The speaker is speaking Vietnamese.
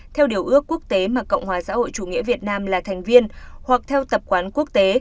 theo điều ước quốc tế mà cộng hòa xã hội chủ nghĩa việt nam là thành viên hoặc theo tập quán quốc tế